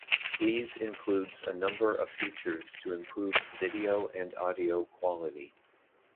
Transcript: Squeeze includes a number of features to improve video and audio quality.